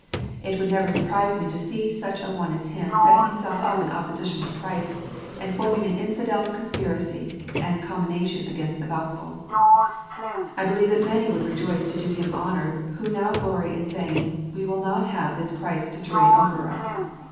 It would never surprise me to see such an one as him setting up himself in opposition to Christ, and forming an infidel conspiracy and combination against the Gospel. I believe that many would rejoice to do him honour, who now glory in saying, " We will not have this Christ to reign over us."